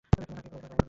তাকে এগুলো দেখাবে।